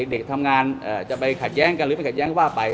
เด็กทำงานจะไปขัดแย้งกันหรือไปขัดแย้งว่าไป